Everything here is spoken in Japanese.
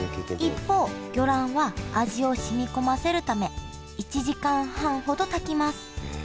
一方魚卵は味をしみこませるため１時間半ほど炊きますへえ。